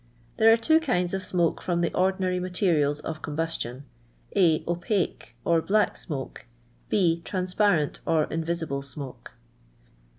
There are two kinds of smoke from the ordinary materials of combustion — (A) OpaoMy or black smoke ; (B) Ti a MfM^tnl, or invisible smoke.